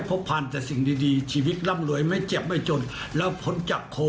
พี่อันน่าอย่าก้มเยอะนะคะ